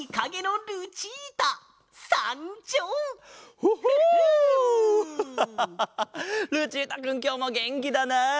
ルチータくんきょうもげんきだなあ。